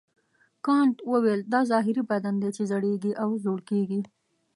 کانت وویل دا ظاهري بدن دی چې زړیږي او زوړ کیږي.